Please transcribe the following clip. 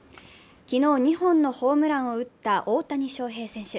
昨日２本のホームランを打った大谷翔平選手。